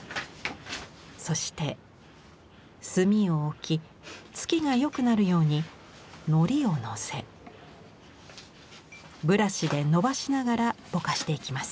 そして墨を置き付きがよくなるようにノリをのせブラシでのばしながらぼかしていきます。